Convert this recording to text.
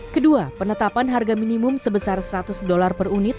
kedua penetapan harga minimum sebesar seratus dolar per unit